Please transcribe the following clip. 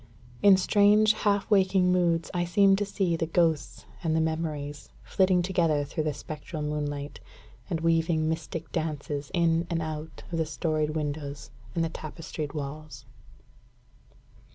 In strange, half waking moods, I seem to see the ghosts and the memories flitting together through the spectral moonlight, and weaving mystic dances in and out of the storied windows and the tapestried walls.